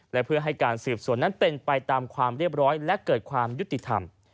และเพื่อให้การสืบสวนนั้นเป็นไปตามความเรียบร้อยและเกิดความยุติธรรม